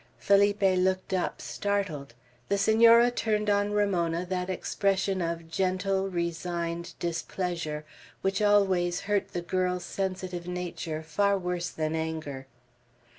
Felipe looked up, startled. The Senora turned on Ramona that expression of gentle, resigned displeasure, which always hurt the girl's sensitive nature far worse than anger.